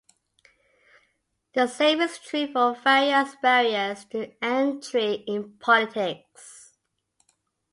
The same is true for various barriers to entry in politics.